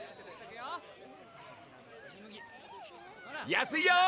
安いよ！